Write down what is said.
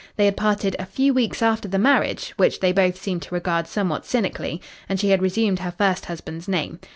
They had parted a few weeks after the marriage which they both seemed to regard somewhat cynically and she had resumed her first husband's name.